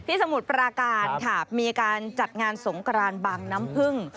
สมุทรปราการค่ะมีการจัดงานสงกรานบางน้ำพึ่ง